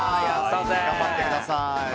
頑張ってください。